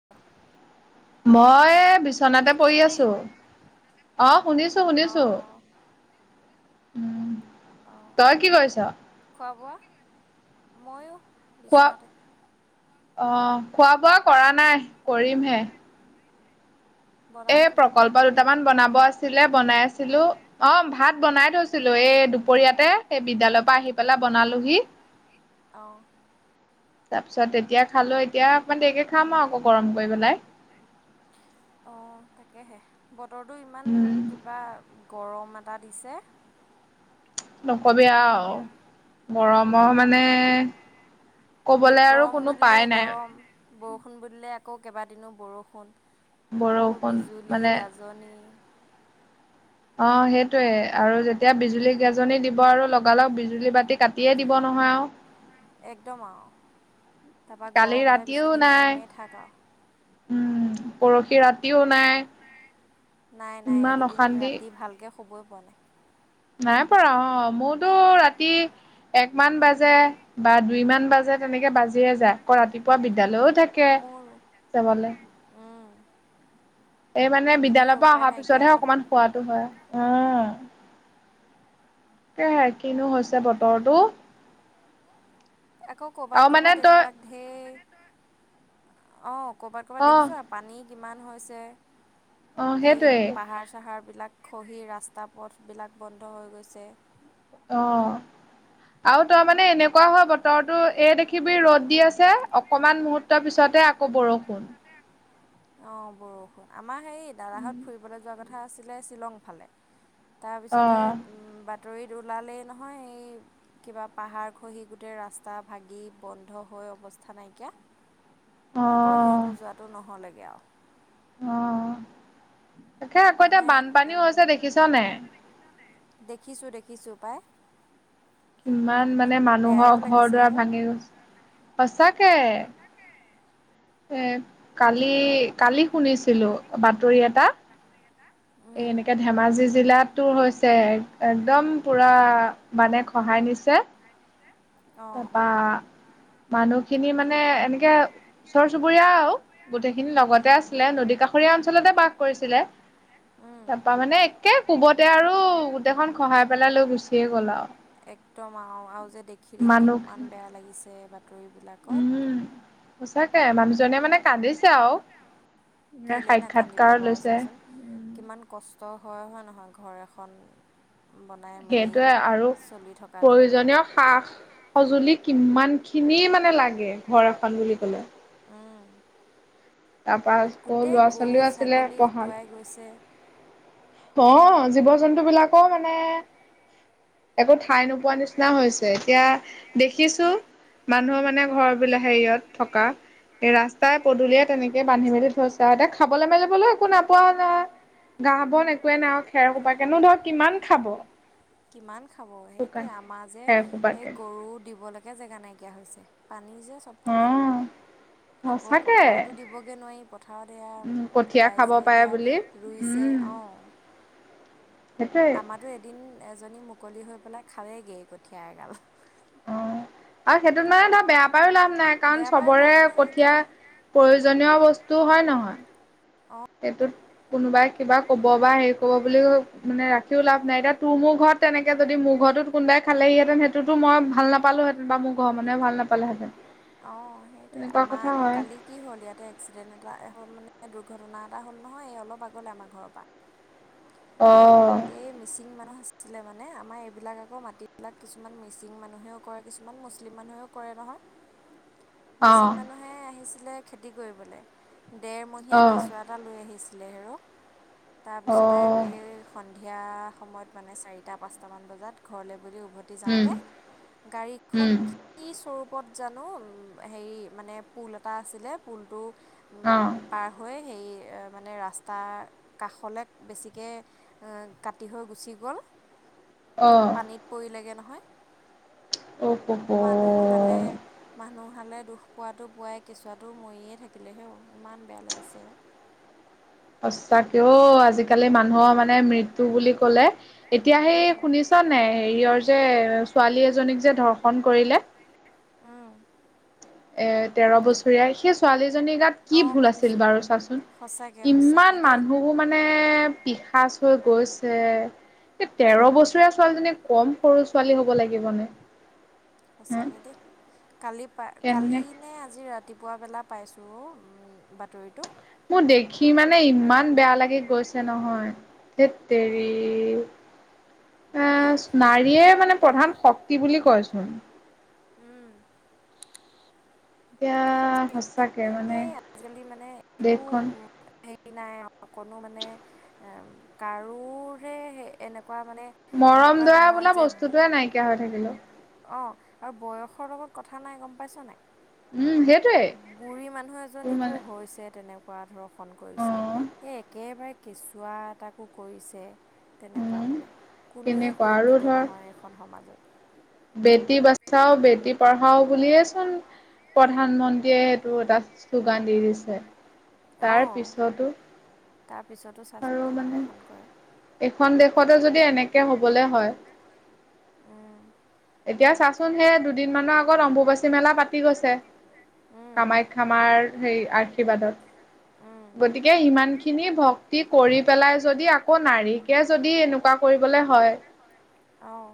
[unintelligible] মই বিচনাতে পৰি শুনিছনে? আছো। অ' শুনিছো, অঁ শুনিছো অঁ উম। অ' তই কি কৰিছ খোৱা বোৱা, ময়ো খোৱা- বিচনাতে অ' খোৱা বোৱা কৰা নাই কৰিমহে। এ বনালি নাই প্ৰকল্প দুটামান বনাব আছিলে বনাই আছিলো। অ' ভাত বনাই থৈছিলো, এই দুপৰীয়াতে সেই বিদ্যালয়ৰ পৰা আহি পেলাই বনালোহি। অ'। তাৰপিছত তেতিয়া খালোঁ, এতিয়া অকণমান দেৰিকৈ খাম আৰু আকৌ গৰম কৰি পেলাই। অ' তাকেহে বতৰটো ইমান উম কিবা গৰম এটা দিছে। নকবি আৰু গৰমৰ মানে কবলৈ আৰু গৰম কোনো বুলিলে পাই নাই গৰম, বৰষুণ বুলিলে আকৌ কেইবাদিনো বৰষুণ। আকৌ বৰষুণ বিজুলী, মানে গাজনি। অ' সেইটোয়ে আৰু যেতিয়া বিজুলী গাজনী দিব আৰু লগালগ বিজুলী বাতি কাটিয়ে দিব নহয় আৰু। একদম আৰু, তাৰপা কালি গৰমতে ৰাতিও বিচনী নাই মাৰি মাৰি থাকা। উম, পৰসি ৰাতিও নাই। নাই নাই, ইমান এইকেইদিন অশান্তি ৰাতি ভালকৈ শুবই পোৱা নাই। নাই পৰা অ'। মোৰতো ৰাতি একমান বাজে বা দুইমান বাজে তেনেকে বাজিয়েই যায়। আকৌ ৰাতিপুৱা বিদ্যালয়ও থাকে মোৰ যাবলে। এই মানে তাকেহে বিদ্যালয়ৰপৰা উপায় অহাৰ নাইকিয়া পিছতহে অকনমান শুৱাটো হয়। অ উম। সেয়ে কিনো হৈছে বতৰটো। আকৌ কৰ'বাত আৰু মানে ক'ৰবাত তই এইবিলাক ঢেৰ। অ' কৰ'বাত কৰ'বাত অ দেখিছোঁ আ পানী কিমান হৈছে, অ এই সেইটোৱে পাহাৰ চাহাৰবিলাক খহি ৰাস্তা পথবিলাক বন্ধ হৈ গৈছে। অ' আৰু তই মানে এনেক এনেকুৱা হয় বতৰটো, এই দেখিবি ৰ'দ দি আছে অকমান মুহুৰ্তৰ পিছতে আকৌ বৰষুণ। অ' বৰষুণ। আমাৰ হেৰি দাদাহঁত ফুৰিবলৈ যোৱা কথা আছিলে শ্বিলং ফালে। অ তাৰপিছতে উ, বাতৰিত ওলালেই নহয় এই কিবা পাহাৰ খহি গোটেই ৰাস্তা ভাগি বন্ধ হৈ অৱস্থা নাইকিয়া। অ আকৌ সিহঁতৰ যোৱাটো নহ'লেগৈ আৰু। অ' তাকে আকৌ এতিয়া মানে বানপানীও আগতে হৈছে দেখিছ নে? দেখিছোঁ দেখিছোঁ পাই। কিমান মানে মানুহৰ বেয়াও ঘৰ লাগিছে দুৱাৰ হেও ভাঙি গৈছে, সচাকে। এ, কালি কালি শুনিছিলোঁ বাতৰি এটা। এই উম, এনেকে ধেমাজি জিলাতো হৈছে, একদম পুৰা মানে খহায় নিছে। নাই দিছে। তাৰাপা মানুহখিনি মানে এনেকে ওচৰ চুবুৰীয়া আৰু গোটেইখিনি লগতে উম আছিলে, নদী কাষৰীয়া অঞ্চলতে বাস কৰিছিলে। উম তাৰাপা মানে একে কোবতে আৰু গোটেইখন খহাই পেলাই লৈ গুচিয়ে গ'ল আৰু। একদম আৰু, আৰু যে দেখি দেখি মানুহ ইমান বেয়া লাগিছে বাতৰিবিলাকত। উম সঁচাকে মানুহজনে মানে কান্দিছে আৰু। এ কেলেই নাকান্দিব সাক্ষাৎকাৰ বাৰু লৈছে। চাচোন, কিমান কষ্ট হয়, হয় নহয় ঘৰ এখন বনাই মেলি সেইটোৱে আৰু চলি থকাটো প্ৰয়োজনীয় খা সঁজুলি কিমানখিনি মানে লাগে ঘৰ এখন বুলি ক'লে। উম। তাৰপা আকৌ গোটেই ল'ৰা গৰু, ছোৱালীও আছিলে ছাগলী পঢ়া উটুৱাই গৈছে। অ' জীৱ জন্তুবিলাকো মানে একো ঠাই নোপোৱা নিচিনা হৈছে, এতিয়া দেখিছোঁ মানুহৰ মানে ঘৰ বিল হেৰিয়ত থকা। ৰাস্তাই পদূলিয়ে তেনেকে বান্ধি মেলি থৈছে আৰু। এতিয়া খাবলৈ মেলিবলৈ একো নাপোৱা হয় নহয়। ঘাঁহ বন একোৱে নাই আৰু খেৰ কোপাকেনো ধৰক কিমান খাব। কিমান খাব সেইটোৱে। শুকান আমাৰ যে খেৰ সেই সোপাকে গৰু দিব লাগে একে জেগা নাইকিয়া হৈছে, পানী যে অ চবফালে। আকৌ সঁচাকে পথাৰতো দিবগৈ নোৱাৰি, পথাৰত এয়া উম কঠীয়া খাব ৰাইজে পাৰে এতিয়া বুলি ৰুইছে উম অ'। সেইটোৱে। আৰু এদিন এজনী মুকলি হৈ পেলাই খালেগেই কঠীয়া এগাল। অ' আৰু সেইটোত মানে তাৰপৰা এটা বেয়া পায়ো লাভ নাই কাৰণ বেয়া পায়ো চবৰে লাভ নাই কঠীয়া এতিয়া প্ৰয়োজনীয় বস্তু হয় নহয়? অঁ সেইটোত কোনোবাই কিবা কব বা হেৰি কব বুলি মানে ৰাখিও লাভ নাই এতিয়া তোৰ মোৰ ঘৰত তেনেকে যদি মোৰ ঘৰতো কোনাই খালেহিতেন সেইটোতো মই ভাল নাপা পালোহেঁতেন বা মোৰ ঘৰৰ মানহে ভাল নাপালেতেন। অ, সেইটয়ে আমাৰ আকৌ কালি কি হ'ল ইয়াতে এক্সিডেণ্ট এটা হ'ল মানে দুৰ্ঘটনা এটা হ'ল নহয় এই অলপ আগলে আমাৰ ঘৰৰ পৰা। অ এই মিচিং মানুহ আছ আছিলে মানে আমাৰ এইবিলাক আকৌ মাটিবিলাক কিছুমান মিচিং মানুহেও কৰে কিছুমান মুছলিম মানুহেও কৰে নহয়। অ মিচিং মানুহে আহিছিলে খেতি কৰিবলে ডেৰমহীয়া কেঁচুৱাত টা লৈ আহিছিলে হেৰো অ অ তাৰপিছ সন্ধিয়া সময়ত মানে চাৰিটা পাঁচটামান বজাত ঘৰলৈ বুলি উভ উম যাওঁতে গাড়ীখন উম কি কি স্বৰূপত জানো উ হেৰি মানে পুল এটা আছিলে পুলটো পাৰ হৈ সেই মানে ৰাস্তা কাষলৈ বেছিকে কাটি হৈ গুচি গ'ল। অঁ। পৰিলেগে নহয়, অ হ মানুহ হালে মানুহ হালে দুখ পোৱাটো পোৱাই কেঁচুৱাটো মৰিয়ে থাকিলে হেও ইমান বেয়া লাগিছে। সঁচা কেও আজিকালি মানুহৰ মানে মৃত্যু বুলি কলে এতিয়াহে শুনি ছ নে হেৰিয়ৰ যে ছোৱালী এজনীক যে ধৰ্ষন কৰিলে। এ তেৰ বছৰীয়া সেই ছোৱালীজনী গাত কি অঁ ভুল আছিল শুনিছোঁ বাৰু চাচোন সঁচাকৈ সঁচাকৈ ইমান দেই মানুহ মানে পিশাচ হৈ গৈছে, তেৰ বছৰীয়া ছোৱালীজনী কম সৰু ছোৱালী হ'ব লাগিব নে। সঁচাকে দেই কালি প কালি কেনে নে আজি ৰাতিপুৱা বেলা পাইছোঁ বাতৰিটো মোৰ দেখি মানে ইমান বেয়া লাগি গৈছে নহয়। ধেততেৰী এ নাৰীয়ে মানে প্ৰধান শক্তি বুলি কয়চোন। উম। [inaudible] মানে এই আজিকালি মানে একো দেশখন হেৰি নাই অকণো মানে কাৰোৰহে সে এনেকুৱা মানে এনেকুৱা মৰম-দয়া নহয় বোলা বস্তুটোৱে নাইকিয়া হৈ থাকিল অ। অঁ, আৰু বয়সৰ লগত কথা নাই গম পাইছো নাই? উম সেইটোৱে বুঢ়ী মানুহ তোৰ এজনীকো মানে হৈছে তেনেকুৱা ধৰক ষন কৰিছে অ'। সেই একেবাৰে কেঁচুৱা এটাকো কৰিছে। তেনেকুৱা উম মানে কোনোৱে তেনেকুৱা আৰু সুৰক্ষিত ধৰ নহয় এইখন সমাজত। বেটি বাচাও বেটি পঢ়াও বুলিয়ে চোন প্ৰধানমন্ত্ৰীয়ে সেইটো এটা শ্লোগান দি দিছে। তাৰ অ'। পিছতো তাৰপিছতো চাচোন কেনেকুৱাখন কৰে। এখন দেশতে যদি এনেকে হবলে হয়। উম এতিয়া চাচোন সেই দুদিনমানৰ আগত অম্বুবাচী মেলা পাতি গৈছে। উম কামাখ্যামাৰ সেই আৰ্শীৰ্বাদত। উম। গতিকে সিমানখিনি ভক্তি কৰি পেলাই যদি আকৌ নাৰীকে যদি এনেকুৱা কৰিবলৈ হয়। হয়। অঁ।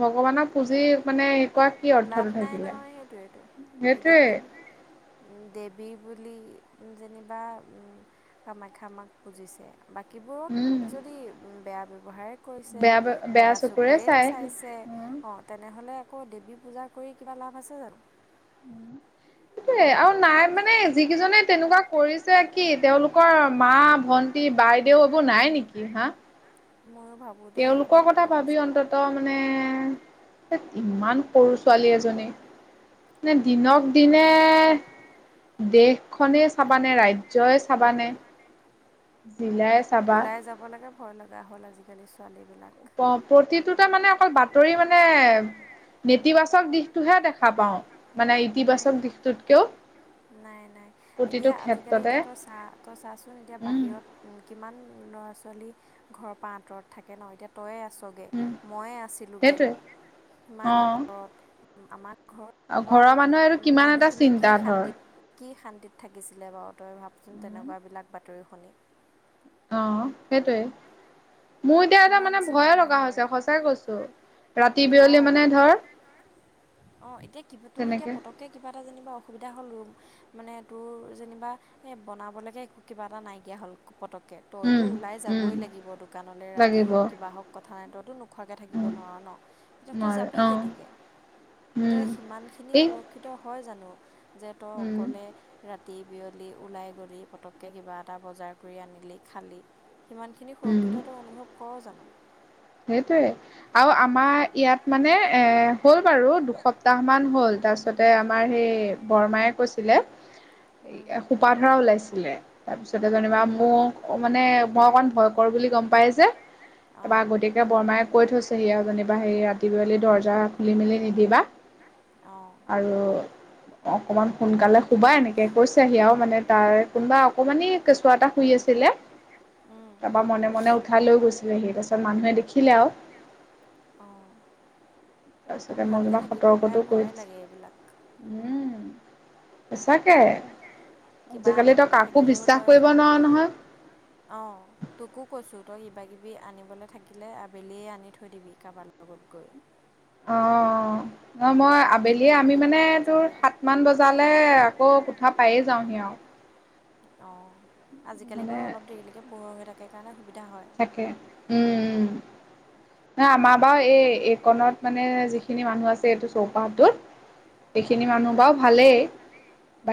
ভগৱানক পুজি মানে কি লাভ অৰ্থটো নাই থাকিলে, নহয় সেইটোৱেতো এতিয়া সেইটোৱেই। দেৱী বুলি যেনিবা কামাখ্যা মাক পুজিছে। বাকীবোৰক উম যদি বেয়া ব্যৱহাৰে কৰিছে, বেয়া বেয়া চকুৰে চাই চাইছে উম অঁ তেনেহ'লে আকৌ দেৱী পূজা কৰি কিবা লাভ আছে জানো? সেইে আৰু নাই মানে, যিকেইজনে তেনেকুৱা কৰিছে কি তেওঁলোক কৰ মা, ভন্টি, বাইদেউ এইবোৰ নাই নেকি হা ময়ো ভাবোঁ দেই তেওঁলোকৰ সেইবোৰ কথা ভাবি সঁচাকৈ অন্তত ত মানে, ইমান সৰু ছোৱালী এজনী নে দিনক দিনে দেশখনেই চাবানে, ৰাজ্য়ই চাবানে জিল ওলাই যাব লাগে ভয় লগা হ'ল আজিকালি ছোৱালীবিলাক। অ', প্ৰতিটোতে মানে অকল বাতৰি মানে নেতিবাচক দিশটোহে দেখা পাওঁ মানে, ইতিবাচক উম। দিশটোতকেও। নাই নাই প্ৰতিটো এতিয়া, আজিকালি ক্ষেত্ৰতে এতিয়া তই চা তই চাচোন এতিয়া উম বাহিৰত কিমান ল'ৰা ছোৱালী ঘৰৰ পৰা আঁতৰত থাকে তাকে ন এতিয়া তয়ে আছগে, উম, ময়ে আছিলোগৈ সেইটোৱে সিমান আঁতৰত আমাক আৰু ঘৰৰ মানুহে আৰু কিমান এটা কি চিন্তা ধৰ। শান্তিত কি শান্তিত থাকিছিলে বাৰু তই ভাবচোঁন তেনেকুৱাবিলাক বাতৰি শুনি। অ', সেইটোৱে। মোৰ এতিয়া এটা কিমান মানে ভয় চিন্তা লগা হয় হৈছে, সঁচাই কৈছো, ৰাতি বিয়লি মানে ধৰ অ', এতিয়া কিবা তোৰ এতিয়া তেনেকে পতককে কিবা এটা যেনিবা অসুবিধা হ'ল ৰ মানে তোৰ যেনিবা এই বনাবলৈকে একো কিবা এটা নাইকিয়া হ'ল পতককে উম, তইতো ওলাই উম, যাবই লাগিব দোকানলৈ ৰাতি লাগিব। হওক কিবা হওক কথা নাই তইতো নোখোৱাকে থাকিব উম, নোৱাৰ ন এতিয়া তই নোৱাৰে যাবি অ', কেনেকে উম, তই সিমানখিনি এই সুৰক্ষিত হয় জানো যে তই, উম, অকলে ৰাতি বিয়লি ওলাই গলি পটককৈ কিবা এটা বজাৰ কৰি আনিলি খালি। সিমানখিনি উম, সুৰক্ষিতত অনুভৱ কৰ জানোঁ। সেইটোৱে। আৰু আমাৰ ইয়াত মানে এ হ'ল বাৰু দুসপ্তাহ মান হ'ল তাৰছত তাৰিছতে আমাৰ সেই বৰমায়ে কৈছিলে, অঁ সোপা ধৰা ওলাইছিলে তাৰপিছতে জনিবা মোক মানে, মই অকণ ভয়কৰ বুলি গম পাই যে তা অঁ [inaudible] গতিকে তে বৰমাই কৈ থৈছেহি আৰু যেনিবা সেই ৰাতিপুৱেলি দৰ্জা খুলি মেলি নিদিবা অঁ। আৰু অকণমান সোনকালে কুবা এনেকে কৈছেহি আৰু মানে তাৰ কোনোবা অকণমানি কেঁচুৱা এটা শুই আছিলে উম, তাৰ পৰা মনে মনে উঠাই লৈ গৈছিলে আহি পাছত মু দেখিলে আৰু। অ' তাৰপিছতে মই ভালকে কিবা থাকিবি পাই, ভয়ে লাগে এইবিলাক। উম। সচাঁকে কিবা আজিকালি তো আনিবলৈ কাকো থাকিলেও বিশ্বাস তই কৰিব সন নোৱাৰা নহয় অঁ তোকো কৈছো তই কিবা কিবি আনিবলৈ থাকিলে আবেলিয় আনি থৈ দিবি কাৰোবাৰ লগত গৈ। [inaudible] অ', মই ৰাতি আবেলিয়ে আমি বিয়লি মানে ওলাই তোৰ নাযাবি আৰু সাত কিমান বজালৈ আকৌ কোঠা পায়েই যাওঁহি আৰু। অ' আজিকালি মানে বাৰু অলপ দেৰিলৈকে পোহৰ হৈ থাকে কাৰণে সুবিধা হয়। থাকে উম উম, এই আমা বাৰু এই এইকনত মানে যিখিনি মানুহ আছে এইটো চৌপাহটোত উম এইখিনি মানুহ বাৰু ভালেই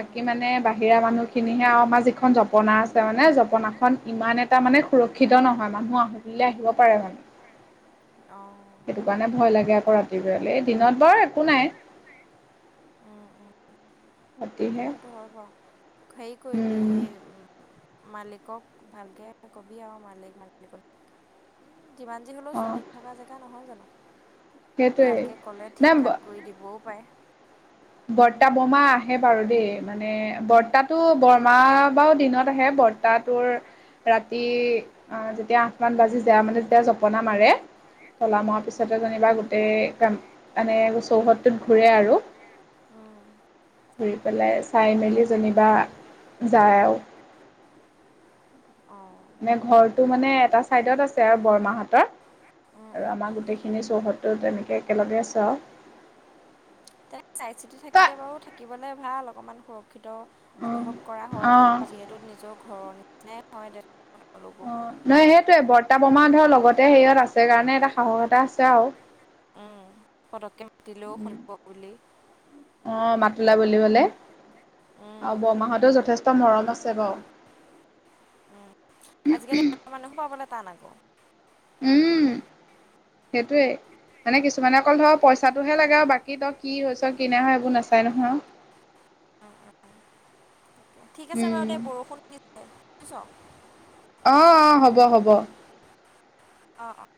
উম মানে বাহিৰা মানুহখিনিহে আৰু, আমাৰ যিখন জপনা আছে মানে জপনাখন ইমান এটা মানে সুৰক্ষিত নহয় মানুহ আহোঁ আহিব পাৰে মানে। অঁ সেইটো কাৰণে ভয় লাগে আকৌ ৰাতিপিয়লে দিনত বাৰ নাই উ উ [unintelligible] অতিনে [unintelligible] সেইটো হয় বাৰু, হেৰি কৰিবি এই উ মালিকক ভালকে কবি আৰু মালিক মালিক যিমান যি হ'লেও অ ছোৱালী থকা জেগা নহয় জানো সেইটোৱেই ভালকৈ ক'লে ঠিক নাই ঠাক কৰি দিবওঁ পাৰে। বৰ্তা বোমা বৰ্তা আহে বমা বাৰু দেই আহে বাৰু মানে দেই মানে বৰ্তাত তটো বৰ্তাটো বৰমা বৰমা বাও দিনত বাৰু আহে বৰ্তা আহে তোৰ বৰ্তা তোৰ ৰাতি ৰাতি যেতিয়া আঠ মান এতিয়া বাজি যায়, আঠমান মানে যেতিয়া বাজিলে জপনা মাৰে আমাৰে তলা মৰাৰ এটা পিছত যেনিবা চাইডত গোটেই আছে মানে চৌহদটোত ঘূৰে আৰু উম ঘুৰি পেলাই, চাই মেলি যেনিবা যায় আৰু অঁ মে ঘৰটো মানে এটা চাইডত আছে আৰু বৰমাহতৰ আৰু আমাৰ গোটেইখিনি সখিনি চৌহদটো তেনেকৈ একেলগে আ চ [unintelligible] আৰু তে চাই চিতি তই থাকিলে বাৰু থাকিবলৈ ভাল অকণমান সুৰক্ষিত অনুভৱ কৰা হয় অঁ অঁ ন, যিহেতু নিজৰ ঘৰৰ নিচিনাই হয়লোক অ [inaudible] [unintelligible] নহয় সেইটোৱে বৰ্তা বমা ধৰ লগতে ধৰ হেৰিয়ত আছে লগতে হেৰিয়ত কাৰণে এটা সাহস এটা আছে আৰু। উম পতককৈ মাতিলেও শুনিব বুলি। অঁ মাতিলা বুলিবলৈ, উম, আৰু বৰমাহতও যথেষ্ট মৰম আছে বাৰু উম, আজিকালি মানুহো পাবলৈ টান আকৌ উম সেইটোৱে। মানে কিছুমানে অকল ধৰ পইচাটোহে লাগে আৰু বাকী ত কিছ কিনে হয় এইবোৰ নাচাই নহয়। উম, উম, উম। ঠিক আছে বাৰু উম দে, বৰষুণ দি বুজিছ। অ অ' হ'ব হ'ব। অ অ'।